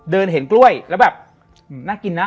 เดินเห็นกล้วยแล้วแบบน่ากินนะ